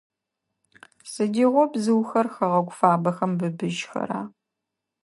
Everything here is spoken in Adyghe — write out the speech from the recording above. Сыдигъо бзыухэр хэгъэгу фабэхэм быбыжьхэра?